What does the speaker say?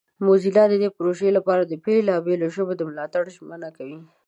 موزیلا د دې پروژې لپاره د بیلابیلو ژبو د ملاتړ ژمنه کوي.